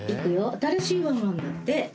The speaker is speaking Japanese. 新しいワンワンだって。